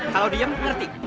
kalau diem ngerti